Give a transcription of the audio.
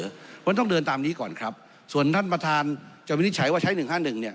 เพราะฉะนั้นต้องเดินตามนี้ก่อนครับส่วนท่านประธานจะวินิจฉัยว่าใช้๑๕๑